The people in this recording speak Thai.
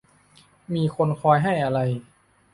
มีคนคอยให้อะไร